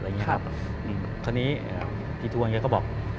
คราวนี้พี่ทวนแกก็บอก